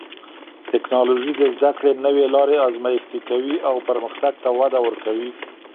ټکنالوژي د زده کړې نوې لارې ازمېښتي کوي او پرمختګ ته وده ورکوي.